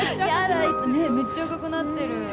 めっちゃ赤くなってるよ。